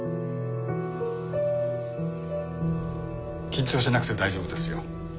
緊張しなくて大丈夫ですよ。